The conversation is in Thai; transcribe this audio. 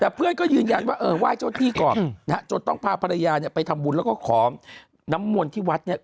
แต่เพื่อนก็ยืนยันว่าไหว้เจ้าที่ก่อนจนต้องพาภรรยาไปทำบุญแล้วก็ขอน้ำมนต์ที่วัด